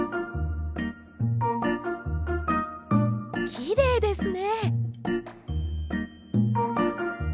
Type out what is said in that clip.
きれいですね。